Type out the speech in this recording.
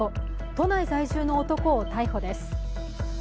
都内在住の男を逮捕です。